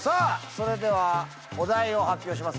それではお題を発表します